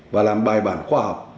và làm bài bản khoa học